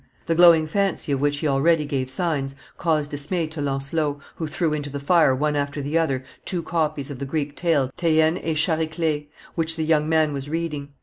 The glowing fancy of which he already gave signs caused dismay to Lancelot, who threw into the fire one after the other two copies of the Greek tale Theayene et Chariclee which the young man was reading.